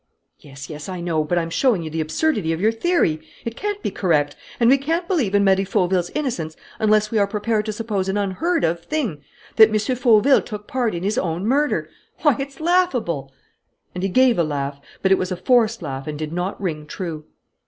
"Yes, yes, I know, but I am showing you the absurdity of your theory. It can't be correct, and we can't believe in Marie Fauville's innocence unless we are prepared to suppose an unheard of thing, that M. Fauville took part in his own murder. Why, it's laughable!" And he gave a laugh; but it was a forced laugh and did not ring true.